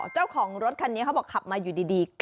เจ้าของรถคันนี้เขาบอกขับมาอยู่ดี